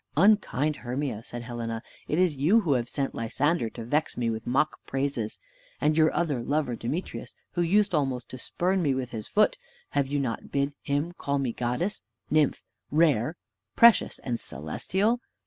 "Unkind Hermia," said Helena, "it is you who have set Lysander to vex me with mock praises; and your other lover Demetrius, who used almost to spurn me with his foot, have you not bid him call me Goddess, Nymph, rare, precious, and celestial?